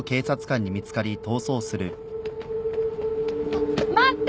あっ待って！